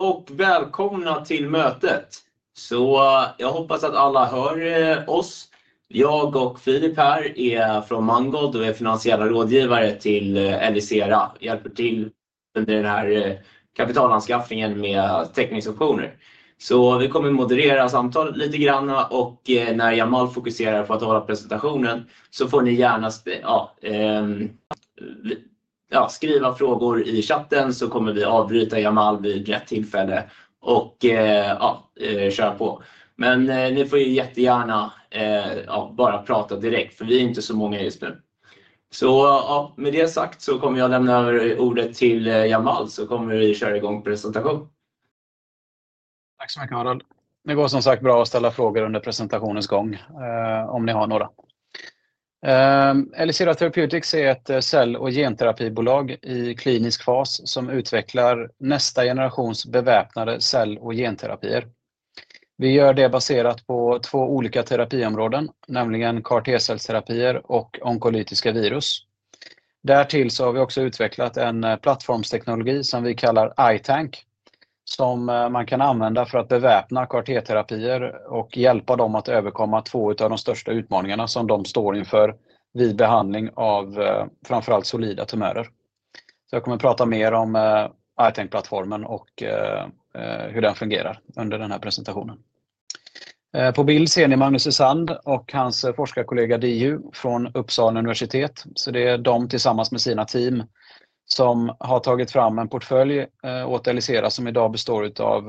Och välkomna till mötet. Så jag hoppas att alla hör oss. Jag och Philip här är från Mangold och är finansiella rådgivare till Elicera, hjälper till under den här kapitalanskaffningen med teckningsoptioner. Så vi kommer moderera samtalet lite grann, och när Jamal fokuserar på att hålla presentationen så får ni gärna skriva frågor i chatten så kommer vi avbryta Jamal vid rätt tillfälle och köra på. Men ni får ju jättegärna bara prata direkt för vi är inte så många just nu. Så med det sagt så kommer jag lämna över ordet till Jamal så kommer vi köra igång presentation. Tack så mycket, Harald. Det går som sagt bra att ställa frågor under presentationens gång, om ni har några. Elicera Therapeutics är ett cell- och genterapibolag i klinisk fas som utvecklar nästa generations beväpnade cell- och genterapier. Vi gör det baserat på två olika terapiområden, nämligen CAR-T-cellsterapier och onkologiska virus. Därtill så har vi också utvecklat en plattformsteknologi som vi kallar ITANK, som man kan använda för att beväpna CAR-T-terapier och hjälpa dem att överkomma två av de största utmaningarna som de står inför vid behandling av framförallt solida tumörer. Så jag kommer prata mer om ITANK-plattformen och hur den fungerar under den här presentationen. På bild ser ni Magnus Husand och hans forskarkollega Diju från Uppsala universitet, så det är de tillsammans med sina team som har tagit fram en portfölj åt Elicera som idag består av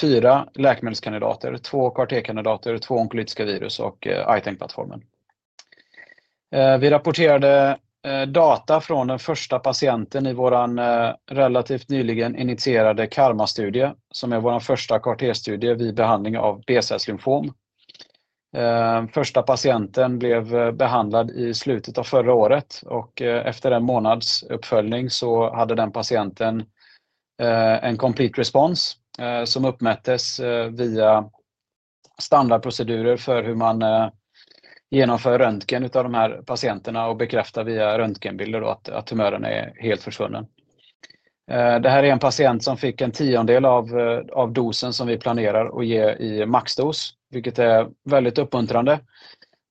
fyra läkemedelskandidater, två CAR-T-kandidater, två onkologiska virus och ITANK-plattformen. Vi rapporterade data från den första patienten i vår relativt nyligen initierade Karma-studie som är vår första CAR-T-studie vid behandling av B-cellslymfom. Första patienten blev behandlad i slutet av förra året och efter en månads uppföljning så hade den patienten en complete response, som uppmättes via standardprocedurer för hur man genomför röntgen av de här patienterna och bekräftar via röntgenbilder då att tumören är helt försvunnen. Det här är en patient som fick en tiondel av dosen som vi planerar att ge i maxdos, vilket är väldigt uppmuntrande.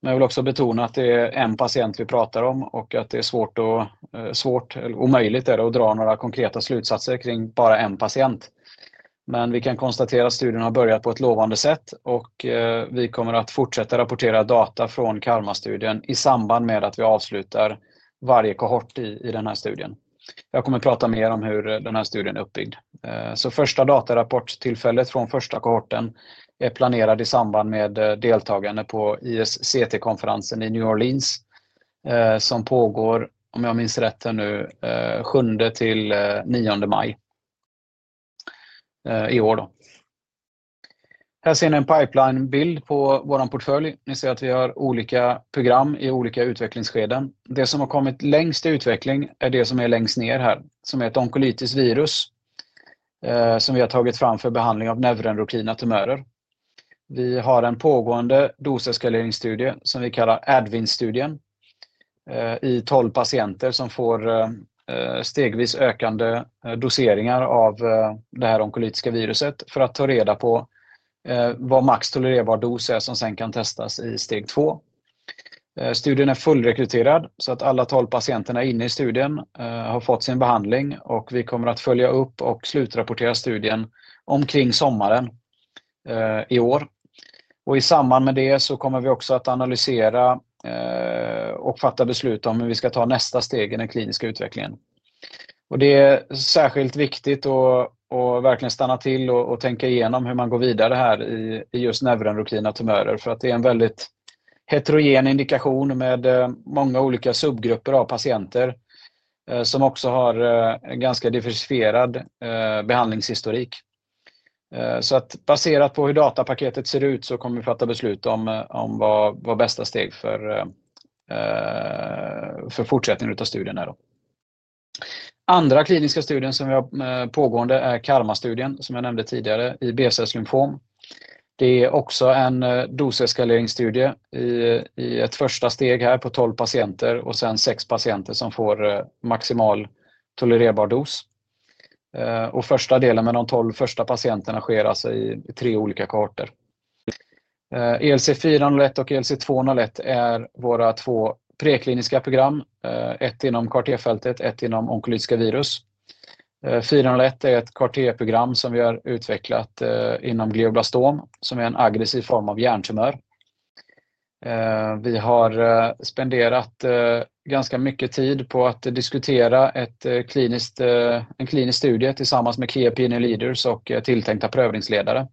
Men jag vill också betona att det är en patient vi pratar om och att det är svårt eller omöjligt att dra några konkreta slutsatser kring bara en patient. Men vi kan konstatera att studien har börjat på ett lovande sätt och vi kommer att fortsätta rapportera data från Karma-studien i samband med att vi avslutar varje kohort i den här studien. Jag kommer prata mer om hur den här studien är uppbyggd. Så första datarapportstillfället från första kohorten är planerad i samband med deltagande på ISCT-konferensen i New Orleans, som pågår, om jag minns rätt här nu, 7:e till 9:e maj i år då. Här ser ni en pipeline-bild på vår portfölj. Ni ser att vi har olika program i olika utvecklingsskeden. Det som har kommit längst i utveckling är det som är längst ner här, som är ett onkologiskt virus, som vi har tagit fram för behandling av neuroendokrina tumörer. Vi har en pågående doseskaleringsstudie som vi kallar Advin-studien, i 12 patienter som får stegvis ökande doseringar av det här onkologiska viruset för att ta reda på vad max tolererbar dos är som sen kan testas i steg två. Studien är fullrekryterad så att alla 12 patienterna inne i studien har fått sin behandling och vi kommer att följa upp och slutrapportera studien omkring sommaren i år. I samband med det så kommer vi också att analysera och fatta beslut om hur vi ska ta nästa steg i den kliniska utvecklingen. Det är särskilt viktigt att verkligen stanna till och tänka igenom hur man går vidare här i just neuroendokrina tumörer för att det är en väldigt heterogen indikation med många olika subgrupper av patienter, som också har en ganska diversifierad behandlingshistorik. Så att baserat på hur datapaketet ser ut så kommer vi fatta beslut om vad bästa steg för fortsättning av studien är då. Andra kliniska studien som vi har pågående är Karma-studien som jag nämnde tidigare i B-cellslymfom. Det är också en doseskaleringsstudie i ett första steg här på 12 patienter och sen sex patienter som får maximal tolererbar dos. Första delen med de 12 första patienterna sker alltså i tre olika kohorter. ELC401 och ELC201 är våra två prekliniska program, ett inom CAR-T-fältet, ett inom onkologiska virus. 401 är ett CAR-T-program som vi har utvecklat inom glioblastom som är en aggressiv form av hjärntumör. Vi har spenderat ganska mycket tid på att diskutera en klinisk studie tillsammans med Key Opinion Leaders och tilltänkta prövningsledare.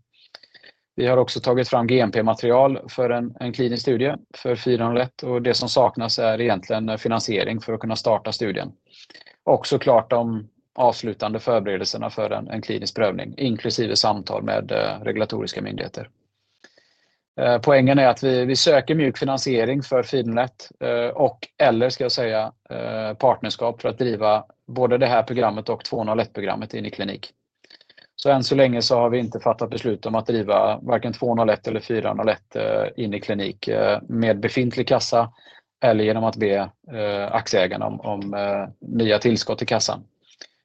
Vi har också tagit fram GMP-material för en klinisk studie för 401 och det som saknas är egentligen finansiering för att kunna starta studien och såklart de avslutande förberedelserna för en klinisk prövning inklusive samtal med regulatoriska myndigheter. Poängen är att vi söker mjuk finansiering för 401 och eller ska jag säga, partnerskap för att driva både det här programmet och 201-programmet in i klinik. Än så länge så har vi inte fattat beslut om att driva varken 201 eller 401 in i klinik med befintlig kassa eller genom att be aktieägarna om nya tillskott i kassan.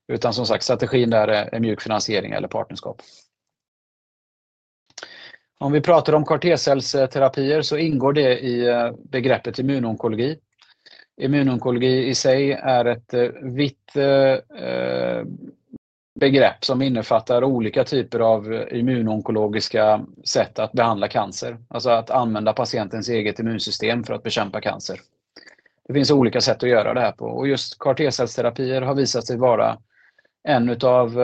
Utan som sagt, strategin där är mjuk finansiering eller partnerskap. Om vi pratar om CAR-T-cellsterapier så ingår det i begreppet immunonkologi. Immunonkologi i sig är ett vitt begrepp som innefattar olika typer av immunonkologiska sätt att behandla cancer, alltså att använda patientens eget immunsystem för att bekämpa cancer. Det finns olika sätt att göra det här på och just CAR-T-cellsterapier har visat sig vara en av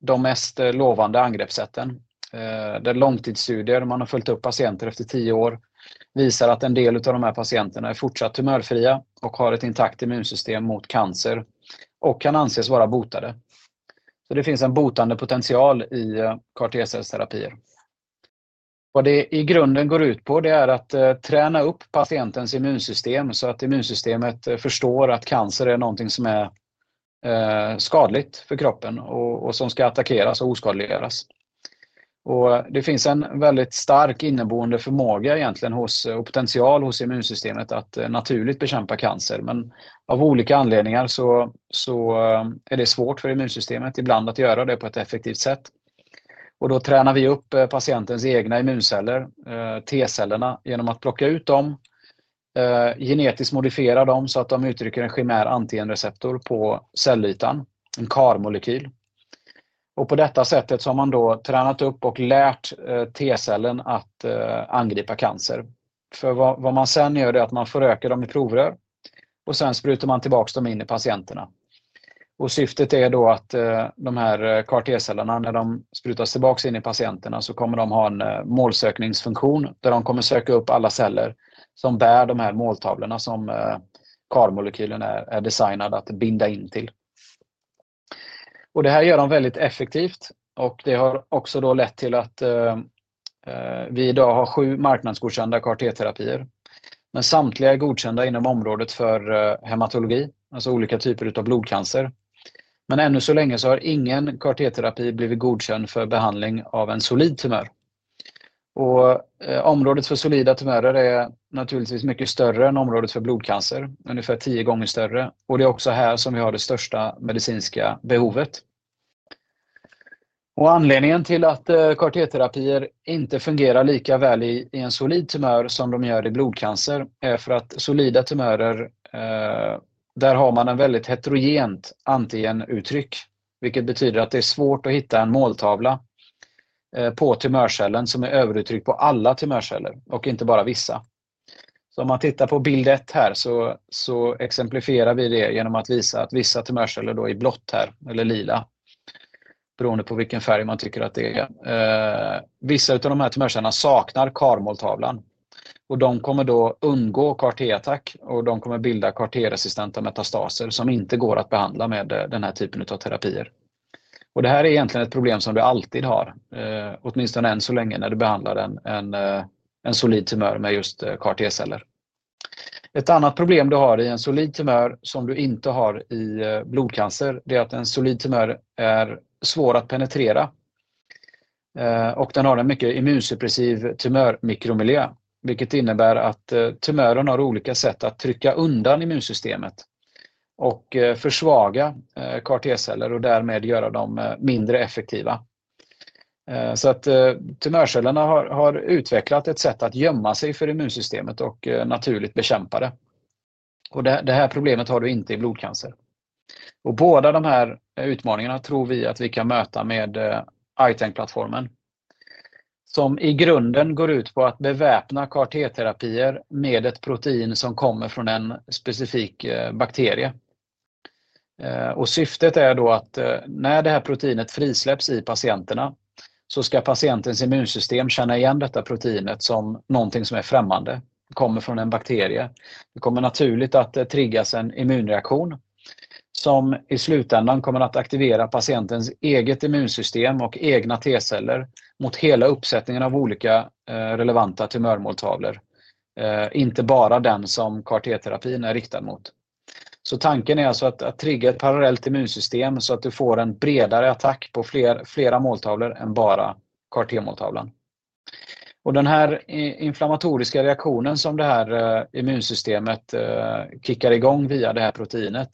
de mest lovande angreppssätten. Det är långtidsstudier där man har följt upp patienter efter 10 år visar att en del av de här patienterna är fortsatt tumörfria och har ett intakt immunsystem mot cancer och kan anses vara botade. Så det finns en botande potential i CAR-T-cellsterapier. Vad det i grunden går ut på, det är att träna upp patientens immunsystem så att immunsystemet förstår att cancer är något som är skadligt för kroppen och som ska attackeras och oskadliggöras. Det finns en väldigt stark inneboende förmåga egentligen hos och potential hos immunsystemet att naturligt bekämpa cancer, men av olika anledningar så är det svårt för immunsystemet ibland att göra det på ett effektivt sätt. Och då tränar vi upp patientens egna immunceller, T-cellerna, genom att plocka ut dem, genetiskt modifiera dem så att de uttrycker en chimär antigenreceptor på cellytan, en CAR-molekyl. På detta sätt så har man då tränat upp och lärt T-cellen att angripa cancer. För vad man sen gör, det är att man förökar dem i provrör och sen sprutar man tillbaka dem in i patienterna. Syftet är då att de här CAR-T-cellerna, när de sprutas tillbaka in i patienterna, så kommer de ha en målsökningsfunktion där de kommer söka upp alla celler som bär de här måltavlorna som CAR-molekylen är designad att binda in till. Det här gör de väldigt effektivt och det har också då lett till att vi idag har sju marknadsgodkända CAR-T-terapier, men samtliga är godkända inom området för hematologi, alltså olika typer av blodcancer. Men ännu så länge så har ingen CAR-T-terapi blivit godkänd för behandling av en solid tumör. Området för solida tumörer är naturligtvis mycket större än området för blodcancer, ungefär 10 gånger större, och det är också här som vi har det största medicinska behovet. Anledningen till att CAR-T-terapier inte fungerar lika väl i en solid tumör som de gör i blodcancer är för att solida tumörer har en väldigt heterogen antigenuttryck, vilket betyder att det är svårt att hitta en måltavla på tumörcellen som är överuttryck på alla tumörceller och inte bara vissa. Om man tittar på bild ett här så exemplifierar vi det genom att visa att vissa tumörceller då i blått här eller lila, beroende på vilken färg man tycker att det är. Vissa av de här tumörcellerna saknar karmåltavlan och de kommer då undgå CAR-T-attack och de kommer bilda CAR-T-resistenta metastaser som inte går att behandla med den här typen av terapier. Det här är egentligen ett problem som du alltid har, åtminstone än så länge när du behandlar en solid tumör med just CAR-T-celler. Ett annat problem du har i en solid tumör som du inte har i blodcancer, det är att en solid tumör är svår att penetrera, och den har en mycket immunsuppressiv tumörmikromiljö, vilket innebär att tumören har olika sätt att trycka undan immunsystemet och försvaga CAR-T-celler och därmed göra dem mindre effektiva, så att tumörcellerna har utvecklat ett sätt att gömma sig för immunsystemet och naturligt bekämpa det. Det här problemet har du inte i blodcancer. Och båda de här utmaningarna tror vi att vi kan möta med ITANK-plattformen som i grunden går ut på att beväpna CAR-T-terapier med ett protein som kommer från en specifik bakterie. Syftet är då att när det här proteinet frisläpps i patienterna så ska patientens immunsystem känna igen detta proteinet som någonting som är främmande, kommer från en bakterie. Det kommer naturligt att triggas en immunreaktion som i slutändan kommer att aktivera patientens eget immunsystem och egna T-celler mot hela uppsättningen av olika, relevanta tumörmåltavlor, inte bara den som CAR-T-terapin är riktad mot. Tanken är alltså att trigga ett parallellt immunsystem så att du får en bredare attack på flera måltavlor än bara CAR-T-måltavlan. Och den här inflammatoriska reaktionen som det här immunsystemet kickar igång via det här proteinet,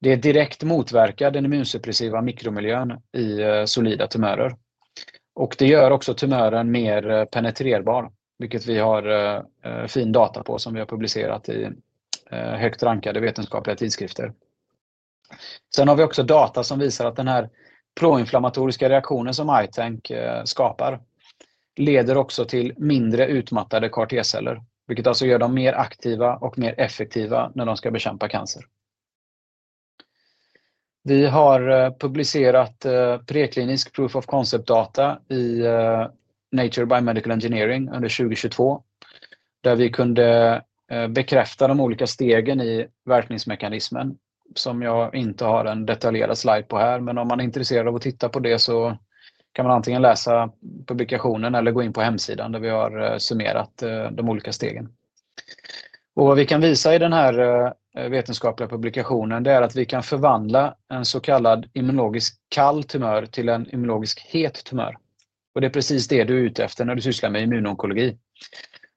det motverkar direkt den immunsuppressiva mikromiljön i solida tumörer och det gör också tumören mer penetrerbar, vilket vi har fin data på som vi har publicerat i högt rankade vetenskapliga tidskrifter. Sen har vi också data som visar att den här proinflammatoriska reaktionen som ITANK skapar leder också till mindre utmattade CAR-T-celler, vilket alltså gör dem mer aktiva och mer effektiva när de ska bekämpa cancer. Vi har publicerat preklinisk proof of concept data i Nature Biomedical Engineering under 2022, där vi kunde bekräfta de olika stegen i verkningsmekanismen som jag inte har en detaljerad slide på här, men om man är intresserad av att titta på det så kan man antingen läsa publikationen eller gå in på hemsidan där vi har summerat de olika stegen. Och vad vi kan visa i den här vetenskapliga publikationen, det är att vi kan förvandla en så kallad immunologisk kall tumör till en immunologisk het tumör. Och det är precis det du är ute efter när du sysslar med immunonkologi.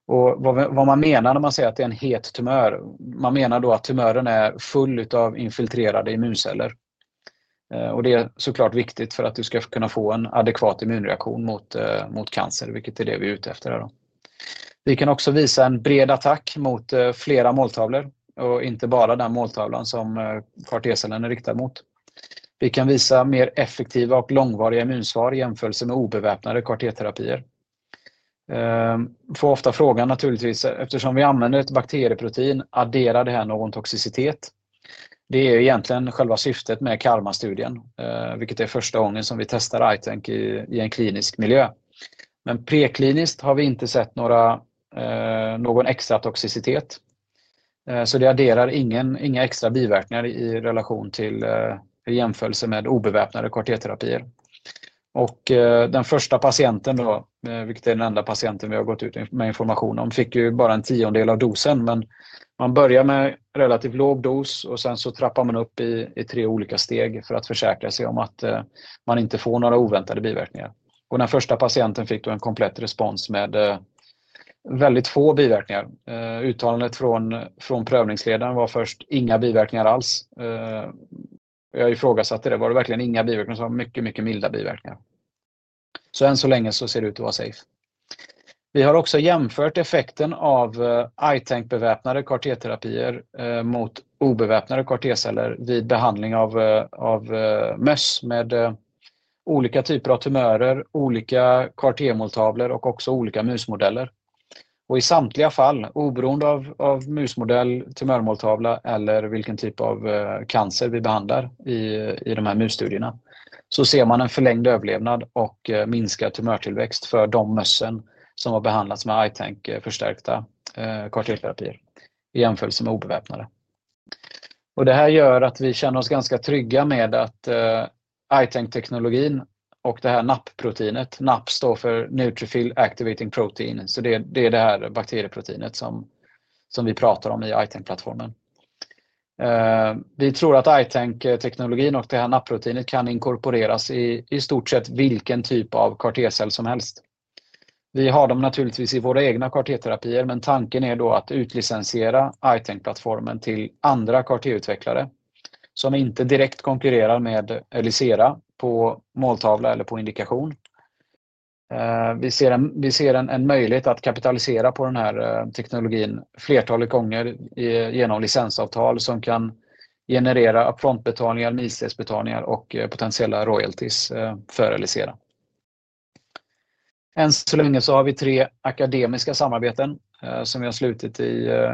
Och vad man menar när man säger att det är en het tumör, man menar då att tumören är full utav infiltrerade immunceller. Och det är såklart viktigt för att du ska kunna få en adekvat immunreaktion mot cancer, vilket är det vi är ute efter här då. Vi kan också visa en bred attack mot flera måltavlor och inte bara den måltavlan som CAR-T-cellen är riktad mot. Vi kan visa mer effektiva och långvariga immunsvar i jämförelse med obeväpnade CAR-T-terapier. Vi får ofta frågan naturligtvis, eftersom vi använder ett bakterieprotein, adderar det här någon toxicitet? Det är ju egentligen själva syftet med Karma-studien, vilket är första gången som vi testar ITANK i en klinisk miljö. Men prekliniskt har vi inte sett någon extra toxicitet, så det adderar inga extra biverkningar i relation till i jämförelse med obeväpnade CAR-T-terapier. Den första patienten då, vilket är den enda patienten vi har gått ut med information om, fick ju bara en tiondel av dosen, men man börjar med relativt låg dos och sen så trappar man upp i tre olika steg för att försäkra sig om att man inte får några oväntade biverkningar. Den första patienten fick då en komplett respons med väldigt få biverkningar. Uttalandet från prövningsledaren var först inga biverkningar alls. Jag ifrågasatte det, var det verkligen inga biverkningar? Det var mycket, mycket milda biverkningar. Än så länge så ser det ut att vara safe. Vi har också jämfört effekten av ITANK-beväpnade CAR-T-terapier mot obeväpnade CAR-T-celler vid behandling av möss med olika typer av tumörer, olika CAR-T-måltavlor och också olika musmodeller. I samtliga fall, oberoende av musmodell, tumörmåltavla eller vilken typ av cancer vi behandlar i de här musstudierna, så ser man en förlängd överlevnad och minskad tumörtillväxt för de möss som har behandlats med ITANK-förstärkta CAR-T-terapier i jämförelse med obeväpnade. Det här gör att vi känner oss ganska trygga med att ITANK-teknologin och det här NAP-proteinet, NAP står för Neutrophil Activating Protein, så det är det här bakterieproteinet som vi pratar om i ITANK-plattformen. Vi tror att ITANK-teknologin och det här NAP-proteinet kan inkorporeras i stort sett vilken typ av CAR-T-cell som helst. Vi har dem naturligtvis i våra egna CAR-T-terapier, men tanken är då att utlicensiera ITANK-plattformen till andra CAR-T-utvecklare som inte direkt konkurrerar med Elysera på måltavla eller på indikation. Vi ser en möjlighet att kapitalisera på den här teknologin flertalet gånger genom licensavtal som kan generera upfront-betalningar, milstensbetalningar och potentiella royalties för Elysera. Än så länge så har vi tre akademiska samarbeten som vi har slutit,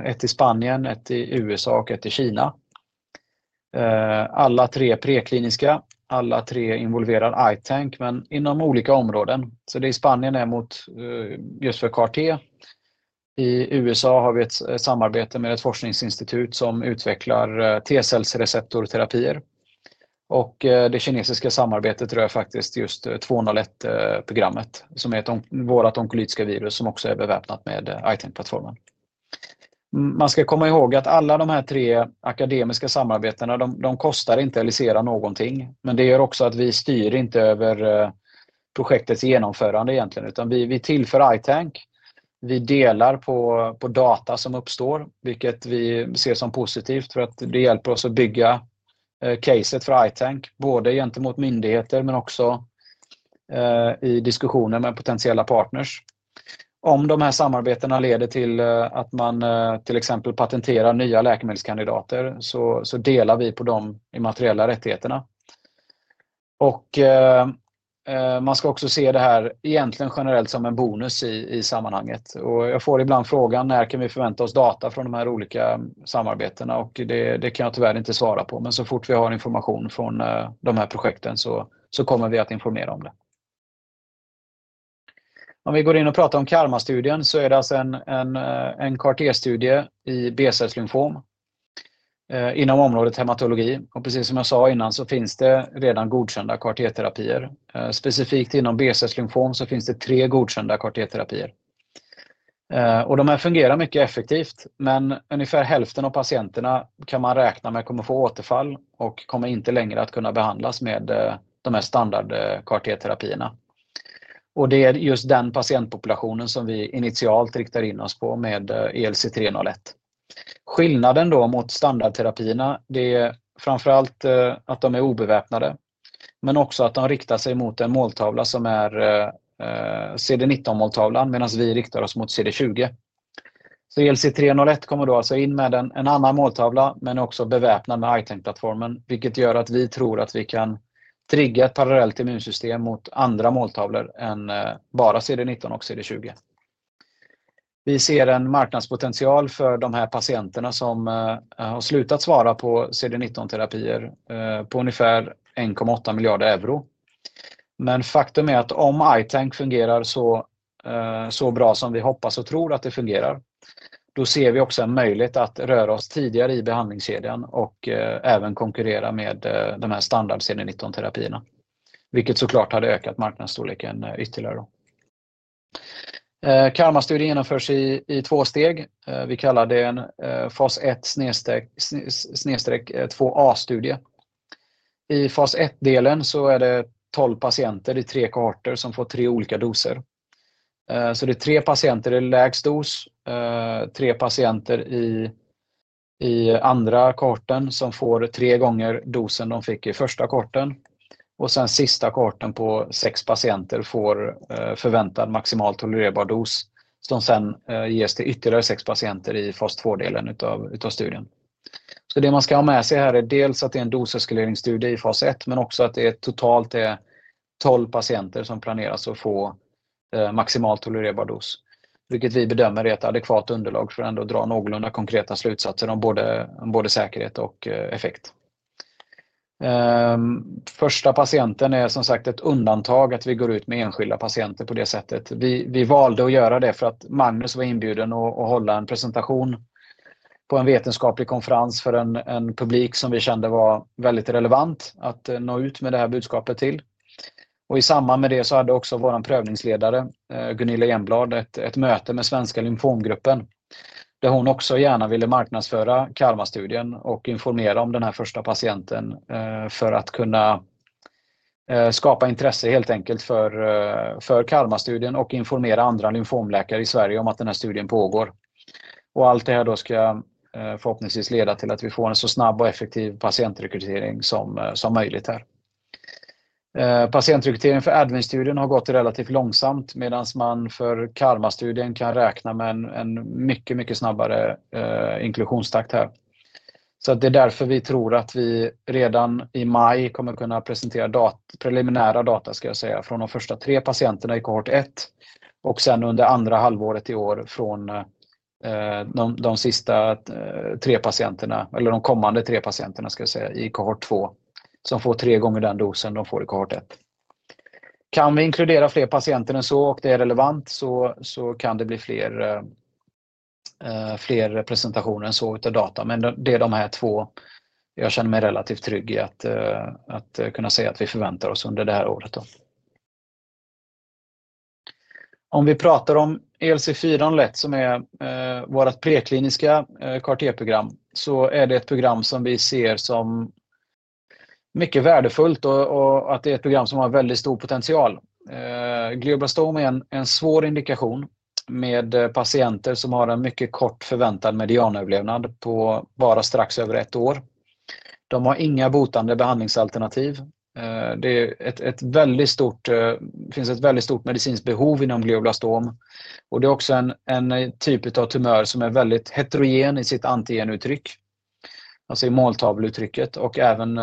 ett i Spanien, ett i USA och ett i Kina. Alla tre prekliniska, alla tre involverar ITANK, men inom olika områden. Så det i Spanien är mot just CAR-T. I USA har vi ett samarbete med ett forskningsinstitut som utvecklar T-cellsreceptorterapier. Och det kinesiska samarbetet rör faktiskt just 201-programmet som är ett av våra onkologiska virus som också är beväpnat med ITANK-plattformen. Man ska komma ihåg att alla de här tre akademiska samarbetena, de kostar inte Elysera någonting, men det gör också att vi styr inte över projektets genomförande egentligen, utan vi tillför ITANK. Vi delar på data som uppstår, vilket vi ser som positivt för att det hjälper oss att bygga caset för ITANK, både gentemot myndigheter men också i diskussioner med potentiella partners. Om de här samarbetena leder till att man till exempel patenterar nya läkemedelskandidater så delar vi på dem i materiella rättigheterna. Man ska också se det här egentligen generellt som en bonus i sammanhanget. Jag får ibland frågan, när kan vi förvänta oss data från de här olika samarbetena? Det kan jag tyvärr inte svara på, men så fort vi har information från de här projekten så kommer vi att informera om det. Om vi går in och pratar om Karma-studien så är det alltså en CAR-T-studie i B-cellslymfom inom området hematologi. Precis som jag sa innan så finns det redan godkända CAR-T-terapier. Specifikt inom B-cellslymfom så finns det tre godkända CAR-T-terapier. De här fungerar mycket effektivt, men ungefär hälften av patienterna kan man räkna med kommer få återfall och kommer inte längre att kunna behandlas med de här standard CAR-T-terapierna. Det är just den patientpopulationen som vi initialt riktar in oss på med ELC301. Skillnaden då mot standardterapierna, det är framförallt att de är obeväpnade, men också att de riktar sig mot en måltavla som är CD19-måltavlan, medan vi riktar oss mot CD20. ELC301 kommer då alltså in med en annan måltavla, men också beväpnad med ITANK-plattformen, vilket gör att vi tror att vi kan trigga ett parallellt immunsystem mot andra måltavlor än bara CD19 och CD20. Vi ser en marknadspotential för de här patienterna som har slutat svara på CD19-terapier på ungefär €1,8 miljarder. Men faktum är att om ITANK fungerar så bra som vi hoppas och tror att det fungerar, då ser vi också en möjlighet att röra oss tidigare i behandlingskedjan och även konkurrera med de här standard CD19-terapierna, vilket såklart hade ökat marknadsstorleken ytterligare då. Karma-studien genomförs i två steg. Vi kallar det en fas 1/2a-studie. I fas 1-delen så är det 12 patienter i tre kohorter som får tre olika doser. Så det är tre patienter i lägst dos, tre patienter i andra kohorten som får tre gånger dosen de fick i första kohorten, och sen sista kohorten på sex patienter får förväntad maximal tolererbar dos som sen ges till ytterligare sex patienter i fas 2-delen av studien. Det man ska ha med sig här är dels att det är en doseskaleringsstudie i fas 1, men också att det totalt är 12 patienter som planeras att få maximal tolererbar dos, vilket vi bedömer är ett adekvat underlag för att dra någorlunda konkreta slutsatser om både säkerhet och effekt. Första patienten är som sagt ett undantag att vi går ut med enskilda patienter på det sättet. Vi valde att göra det för att Magnus var inbjuden att hålla en presentation på en vetenskaplig konferens för en publik som vi kände var väldigt relevant att nå ut med det här budskapet till. Och i samband med det så hade också vår prövningsledare, Gunilla Jernblad, ett möte med Svenska Lymfomgruppen, där hon också gärna ville marknadsföra Karma-studien och informera om den här första patienten för att kunna skapa intresse helt enkelt för Karma-studien och informera andra lymfomläkare i Sverige om att den här studien pågår. Allt det här ska förhoppningsvis leda till att vi får en så snabb och effektiv patientrekrytering som möjligt här. Patientrekrytering för adminstudien har gått relativt långsamt, medan man för Karma-studien kan räkna med en mycket, mycket snabbare inklusionstakt här. Så det är därför vi tror att vi redan i maj kommer kunna presentera preliminära data, ska jag säga, från de första tre patienterna i kohort 1 och sen under andra halvåret i år från de sista tre patienterna, eller de kommande tre patienterna, ska jag säga, i kohort 2 som får tre gånger den dosen de får i kohort 1. Kan vi inkludera fler patienter än så och det är relevant så kan det bli fler presentationer än så av data. Men det är de här två jag känner mig relativt trygg i att kunna säga att vi förväntar oss under det här året då. Om vi pratar om ELC401 som är vårt prekliniska CAR-T-program så är det ett program som vi ser som mycket värdefullt och att det är ett program som har väldigt stor potential. Glioblastom är en svår indikation med patienter som har en mycket kort förväntad medianöverlevnad på bara strax över ett år. De har inga botande behandlingsalternativ. Det finns ett väldigt stort medicinskt behov inom glioblastom och det är också en typ av tumör som är väldigt heterogen i sitt antigenuttryck, alltså i måltavleuttrycket och även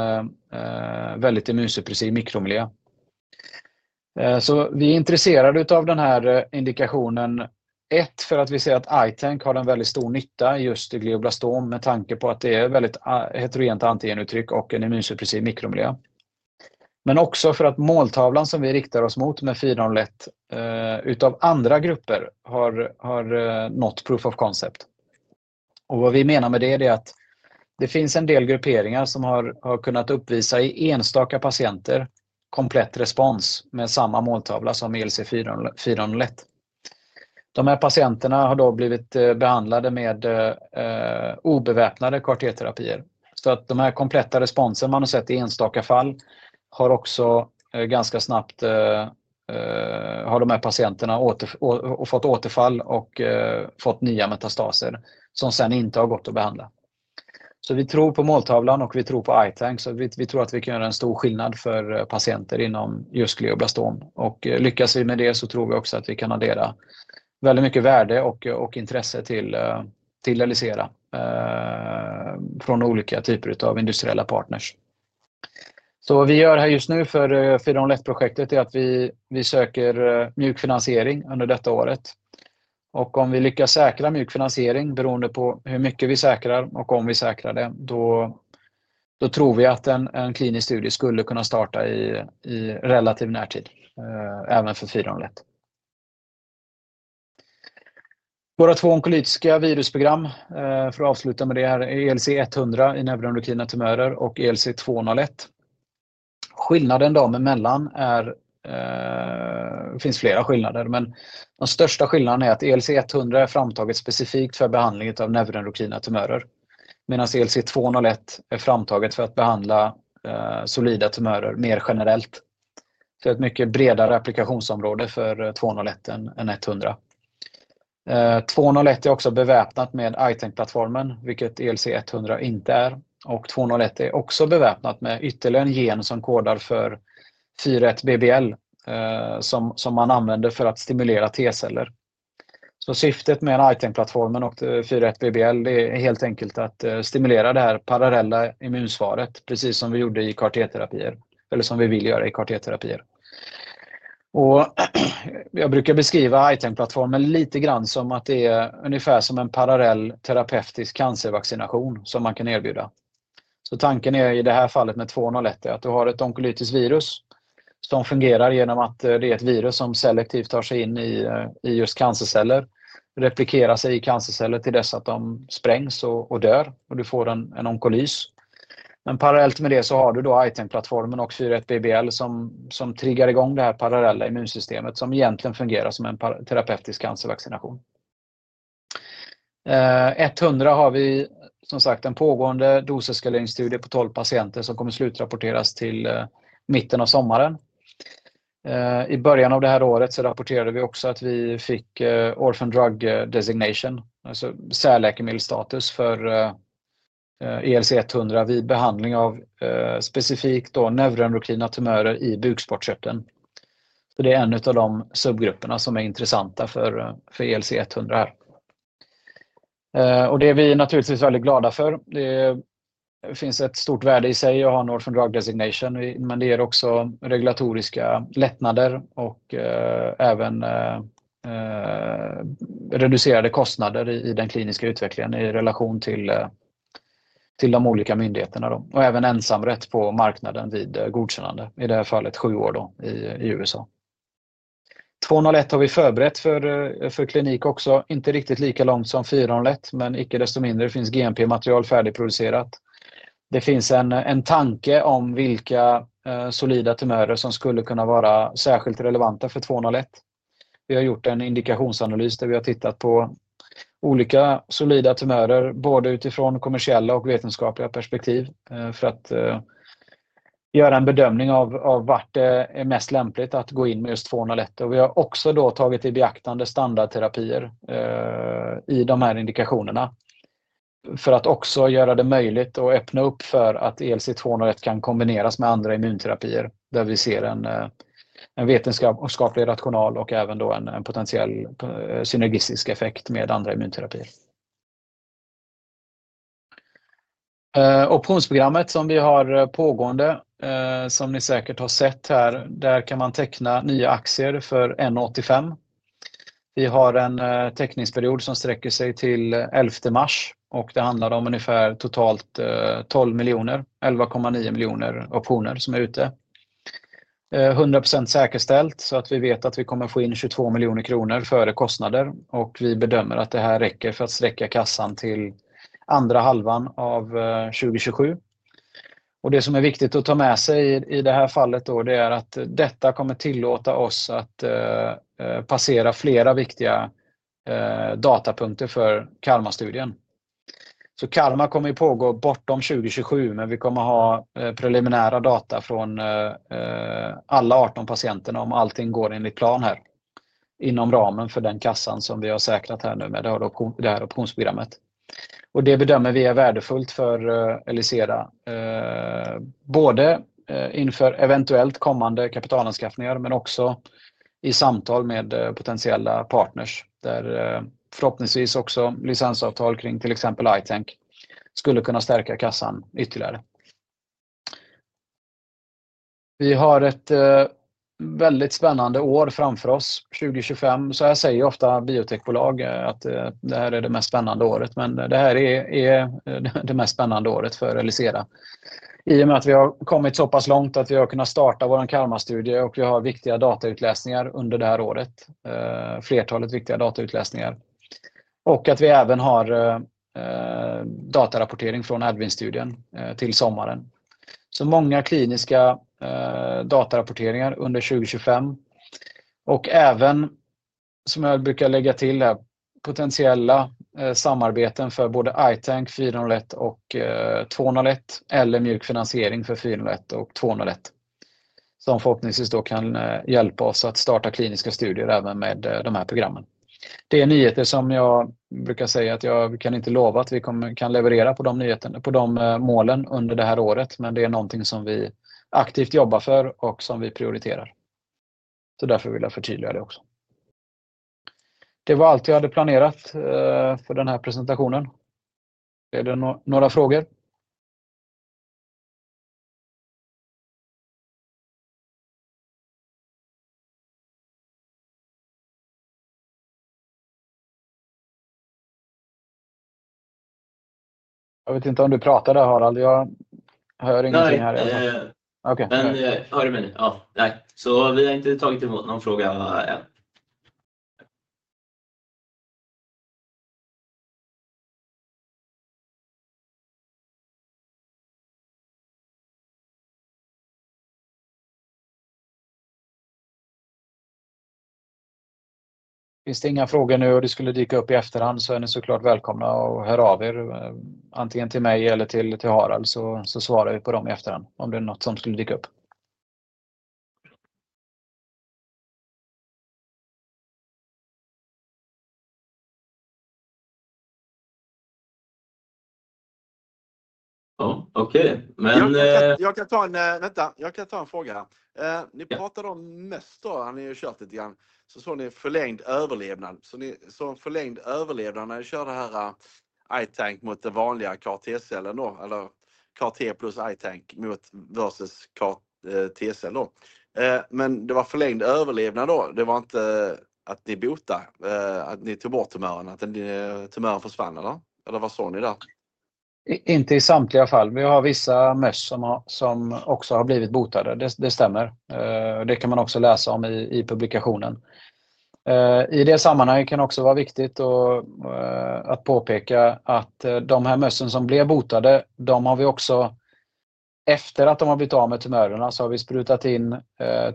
väldigt immunsuppressiv mikromiljö. Vi är intresserade av den här indikationen för att vi ser att ITANK har en väldigt stor nytta just i glioblastom med tanke på att det är väldigt heterogent antigenuttryck och en immunsuppressiv mikromiljö. Men också för att måltavlan som vi riktar oss mot med 401 av andra grupper har nått proof of concept. Vad vi menar med det är att det finns en del grupperingar som har kunnat uppvisa i enstaka patienter komplett respons med samma måltavla som ELC401. De här patienterna har då blivit behandlade med obeväpnade CAR-T-terapier. Så att de här kompletta responsen man har sett i enstaka fall har också ganska snabbt har de här patienterna fått återfall och fått nya metastaser som sen inte har gått att behandla. Vi tror på måltavlan och vi tror på ITANK så vi tror att vi kan göra en stor skillnad för patienter inom just glioblastom. Lyckas vi med det så tror vi också att vi kan addera väldigt mycket värde och intresse till Elysera från olika typer av industriella partners. Vad vi gör här just nu för 401-projektet är att vi söker mjuk finansiering under detta året. Och om vi lyckas säkra mjuk finansiering beroende på hur mycket vi säkrar och om vi säkrar det, då tror vi att en klinisk studie skulle kunna starta i relativ närtid även för 401. Våra två onkologiska virusprogram, för att avsluta med det här, är ELC100 i neuroendokrina tumörer och ELC201. Skillnaden dem emellan är, det finns flera skillnader, men den största skillnaden är att ELC100 är framtaget specifikt för behandling av neuroendokrina tumörer, medan ELC201 är framtaget för att behandla solida tumörer mer generellt. Så det är ett mycket bredare applikationsområde för 201 än 100. 201 är också beväpnat med ITANK-plattformen, vilket ELC100 inte är, och 201 är också beväpnat med ytterligare en gen som kodar för 41BBL som man använder för att stimulera T-celler. Syftet med ITANK-plattformen och 41BBL är helt enkelt att stimulera det här parallella immunsvaret, precis som vi gjorde i CAR-T-terapier eller som vi vill göra i CAR-T-terapier. Jag brukar beskriva ITANK-plattformen lite grann som att det är ungefär som en parallell terapeutisk cancervaccination som man kan erbjuda. Tanken är i det här fallet med 201 är att du har ett onkologiskt virus som fungerar genom att det är ett virus som selektivt tar sig in i just cancerceller, replikerar sig i cancerceller till dess att de sprängs och dör, och du får en onkolys. Men parallellt med det har du då ITANK-plattformen och 41BBL som triggar igång det här parallella immunsystemet som egentligen fungerar som en terapeutisk cancervaccination. 100 har vi som sagt en pågående doseskaleringsstudie på 12 patienter som kommer slutrapporteras till mitten av sommaren. I början av det här året så rapporterade vi också att vi fick orphan drug designation, alltså särläkemedelstatus för ELC-100 vid behandling av specifikt då neuroendokrina tumörer i bukspottkörteln. Det är en av de subgrupperna som är intressanta för ELC-100 här. Det är vi naturligtvis väldigt glada för. Det finns ett stort värde i sig att ha en orphan drug designation, men det ger också regulatoriska lättnader och även reducerade kostnader i den kliniska utvecklingen i relation till de olika myndigheterna då, och även ensamrätt på marknaden vid godkännande, i det här fallet sju år då i USA. 201 har vi förberett för klinik också, inte riktigt lika långt som 401, men icke desto mindre finns GMP-material färdigproducerat. Det finns en tanke om vilka solida tumörer som skulle kunna vara särskilt relevanta för 201. Vi har gjort en indikationsanalys där vi har tittat på olika solida tumörer både utifrån kommersiella och vetenskapliga perspektiv för att göra en bedömning av var det är mest lämpligt att gå in med just 201. Vi har också då tagit i beaktande standardterapier i de här indikationerna för att också göra det möjligt att öppna upp för att ELC201 kan kombineras med andra immunterapier där vi ser en vetenskaplig rational och även då en potentiell synergistisk effekt med andra immunterapier. Optionsprogrammet som vi har pågående, som ni säkert har sett här, där kan man teckna nya aktier för 1,85 kr. Vi har en teckningsperiod som sträcker sig till 11 mars, och det handlar om totalt 12 miljoner, 11,9 miljoner optioner som är ute. 100% säkerställt så att vi vet att vi kommer få in 22 miljoner kronor före kostnader, och vi bedömer att det här räcker för att sträcka kassan till andra halvan av 2027. Det som är viktigt att ta med sig i det här fallet då, det är att detta kommer tillåta oss att passera flera viktiga datapunkter för Karma-studien. Karma kommer ju pågå bortom 2027, men vi kommer ha preliminära data från alla 18 patienterna om allting går enligt plan här inom ramen för den kassan som vi har säkrat här nu med det här optionsprogrammet. Det bedömer vi är värdefullt för Elysera, både inför eventuellt kommande kapitalanskaffningar, men också i samtal med potentiella partners där förhoppningsvis också licensavtal kring till exempel ITANK skulle kunna stärka kassan ytterligare. Vi har ett väldigt spännande år framför oss, 2025, så här säger ju ofta biotechbolag att det här är det mest spännande året, men det här är det mest spännande året för Elysera. I och med att vi har kommit så pass långt att vi har kunnat starta vår Karma-studie och vi har viktiga datautläsningar under det här året, flertalet viktiga datautläsningar, och att vi även har datarapportering från adminstudien till sommaren. Så många kliniska datarapporteringar under 2025, och även som jag brukar lägga till här, potentiella samarbeten för både ITANK, 401 och 201, eller mjuk finansiering för 401 och 201, som förhoppningsvis då kan hjälpa oss att starta kliniska studier även med de här programmen. Det är nyheter som jag brukar säga att jag kan inte lova att vi kan leverera på de nyheterna, på de målen under det här året, men det är någonting som vi aktivt jobbar för och som vi prioriterar. Så därför vill jag förtydliga det också. Det var allt jag hade planerat för den här presentationen. Är det några frågor? Jag vet inte om du pratade, Harald, jag hör ingenting här än. Okej, men jag hörde mig nu. Ja, tack. Vi har inte tagit emot någon fråga än. Finns det inga frågor nu och det skulle dyka upp i efterhand så är ni såklart välkomna att höra av antingen till mig eller till Harald, så svarar vi på dem i efterhand om det är något som skulle dyka upp. Ja, okej, men jag kan ta en, vänta, jag kan ta en fråga här. Ni pratade om möss då, han har ju kört lite grann, så såg ni förlängd överlevnad, så ni såg förlängd överlevnad när ni körde det här ITANK mot den vanliga CAR-T-cellen då, eller CAR-T plus ITANK mot versus CAR-T-cell då. Men det var förlängd överlevnad då, det var inte att ni botade, att ni tog bort tumören, att tumören försvann eller, eller vad sa ni där? Inte i samtliga fall, men jag har vissa möss som har som också har blivit botade, det stämmer. Det kan man också läsa om i publikationen. I det sammanhanget kan det också vara viktigt att påpeka att de här mössen som blev botade, de har vi också, efter att de har blivit av med tumörerna, så har vi sprutat in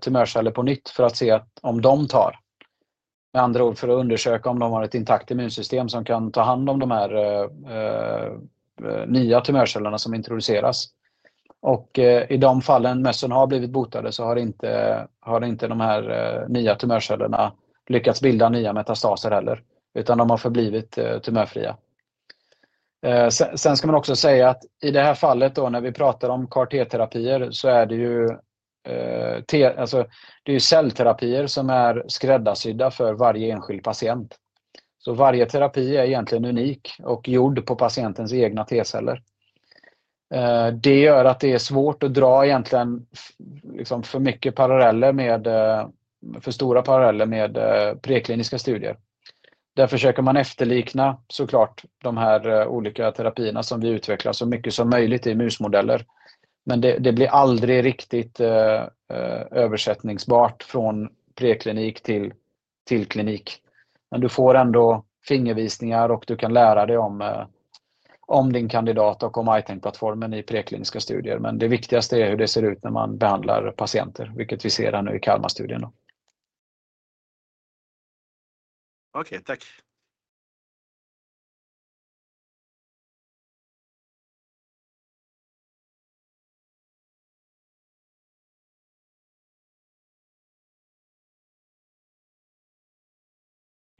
tumörceller på nytt för att se om de tar, med andra ord för att undersöka om de har ett intakt immunsystem som kan ta hand om de här nya tumörcellerna som introduceras. Och i de fallen möss har blivit botade så har de här nya tumörcellerna inte lyckats bilda nya metastaser heller, utan de har förblivit tumörfria. Sen ska man också säga att i det här fallet, när vi pratar om CAR-T-terapier, så är det cellterapier som är skräddarsydda för varje enskild patient. Så varje terapi är egentligen unik och gjord på patientens egna T-celler. Det gör att det är svårt att dra egentligen liksom för mycket paralleller med för stora paralleller med prekliniska studier. Där försöker man efterlikna såklart de här olika terapierna som vi utvecklar så mycket som möjligt i musmodeller, men det blir aldrig riktigt översättningsbart från preklinik till klinik. Men du får ändå fingervisningar och du kan lära dig om din kandidat och om ITANK-plattformen i prekliniska studier, men det viktigaste är hur det ser ut när man behandlar patienter, vilket vi ser här nu i Karma-studien då. Okej, tack.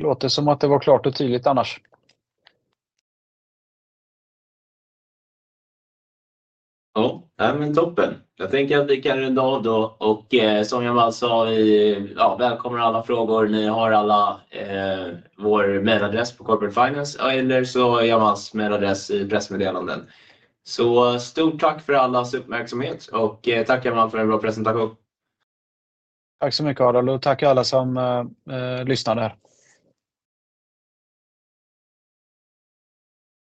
Låter som att det var klart och tydligt annars. Ja, nej men toppen. Jag tänker att vi kan runda av då, och som jag sa i, ja, välkomnar alla frågor. Ni har alla vår mejladress på Corporate Finance, eller så är Jamas mejladress i pressmeddelanden. Så stort tack för allas uppmärksamhet och tack Jamas för en bra presentation. Tack så mycket, Harald, och tack alla som lyssnade här.